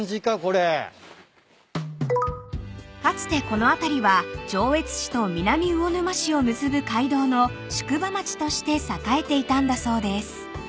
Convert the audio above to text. ［かつてこの辺りは上越市と南魚沼市を結ぶ街道の宿場町として栄えていたんだそうです］